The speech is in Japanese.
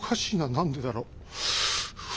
何でだろう。